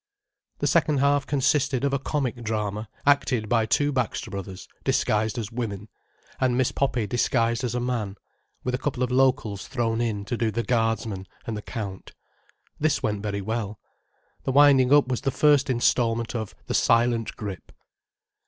The second half consisted of a comic drama acted by two Baxter Bros., disguised as women, and Miss Poppy disguised as a man—with a couple of locals thrown in to do the guardsman and the Count. This went very well. The winding up was the first instalment of "The Silent Grip."